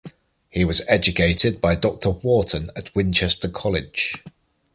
He was educated by Doctor Wharton at Winchester College.